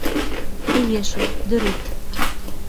— Эйе шул, дөрөҫ.